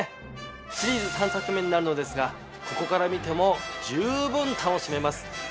シリーズ３作目になるのですがここから見ても十分楽しめます。